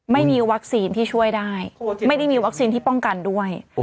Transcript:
ไม่มีวัคซีนที่ช่วยได้ไม่ได้มีวัคซีนที่ป้องกันด้วย